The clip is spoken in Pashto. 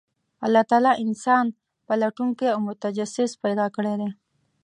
الله تعالی انسان پلټونکی او متجسس پیدا کړی دی،